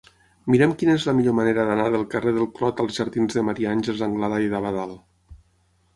Mira'm quina és la millor manera d'anar del carrer del Clot als jardins de Maria Àngels Anglada i d'Abadal.